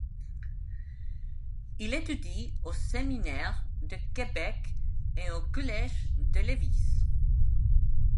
Il étudie au Séminaire de Québec et au Collège de Lévis.